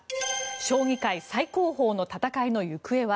将棋界最高峰の戦いの行方は。